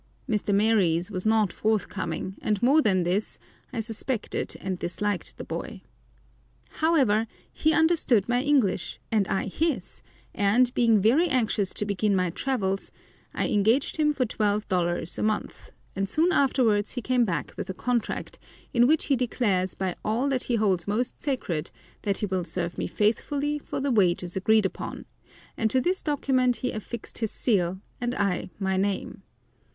Mr. Maries was not forthcoming, and more than this, I suspected and disliked the boy. However, he understood my English and I his, and, being very anxious to begin my travels, I engaged him for twelve dollars a month, and soon afterwards he came back with a contract, in which he declares by all that he holds most sacred that he will serve me faithfully for the wages agreed upon, and to this document he affixed his seal and I my name.